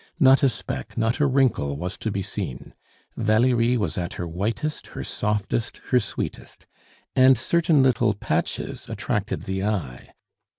Not a speck, not a wrinkle was to be seen. Valerie was at her whitest, her softest, her sweetest. And certain little "patches" attracted the eye.